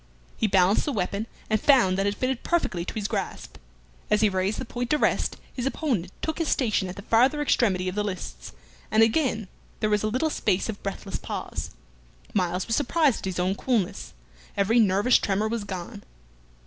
He balanced the weapon, and found that it fitted perfectly to his grasp. As he raised the point to rest, his opponent took his station at the farther extremity of the lists, and again there was a little space of breathless pause. Myles was surprised at his own coolness; every nervous tremor was gone.